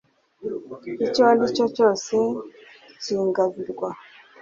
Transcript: icyo ndicyo cyose nkigabirwa